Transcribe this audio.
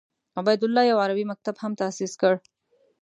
عبیدالله یو عربي مکتب هم تاسیس کړ.